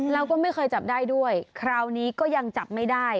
แล้วก็ไม่เคยจับได้ด้วยคราวนี้ก็ยังจับไม่ได้